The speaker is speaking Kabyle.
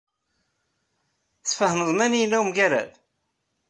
Tfehmeḍ mani yella wemgerrad?